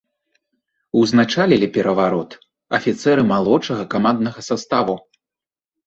Узначалілі пераварот афіцэры малодшага каманднага саставу.